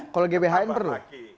kalau gbhn perlu